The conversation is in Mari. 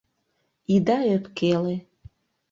Ида ӧпкеле.